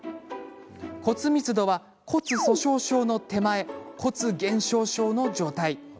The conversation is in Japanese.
骨密度は、骨粗しょう症の手前骨減少症の状態。